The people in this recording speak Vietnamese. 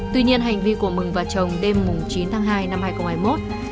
tuy nhiên hành vi của mừng và chồng đêm chín tháng hai năm hai nghìn hai mươi một